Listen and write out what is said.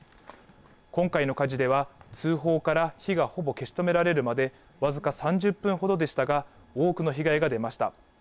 今回の火事では、通報から火がほぼ消し止められるまで僅か３０分ほどでしたが、多くの被害が出ました。